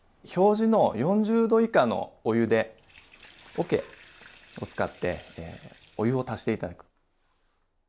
表示の４０℃以下のお湯でおけを使ってお湯を足して頂く。